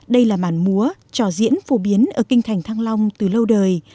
đây là màn múa trò diễn phổ biến ở kinh thành thăng long từ lâu đời